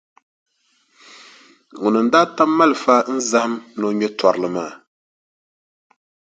Ŋuni n-daa tam malifa n-zahim ni o ŋme tɔrili?